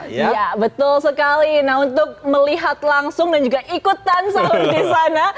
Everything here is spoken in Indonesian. iya betul sekali nah untuk melihat langsung dan juga ikutan sahur di sana